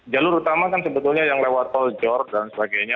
jalur utama kan sebetulnya yang lewat tol jor dan sebagainya